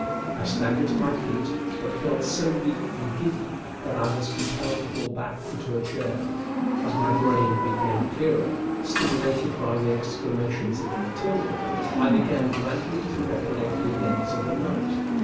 I staggered to my feet, but felt so weak and giddy that I was compelled to fall back into a chair. As my brain became clearer, stimulated by the exclamations of Matilda, I began gradually to recollect the events of the night.